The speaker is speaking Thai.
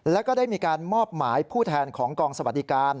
แล้วก็ได้มีการมอบหมายผู้แทนของกองสวัสดิการ